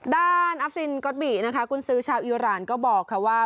ด้านอัฟซินก๊อตบีนะคะคุณซื้อชาวอิร่านก็บอกค่ะว่า